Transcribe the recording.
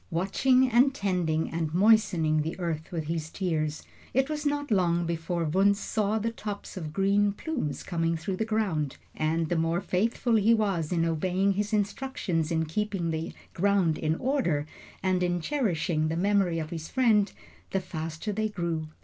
Watching and tending and moistening the earth with his tears, it was not long before Wunzh saw the tops of green plumes coming through the ground; and the more faithful he was in obeying his instructions in keeping the ground in order and in cherishing the memory of his friend, the faster they grew.